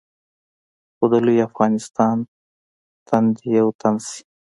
خو د لوی افغانستان تن دې یو تن شي.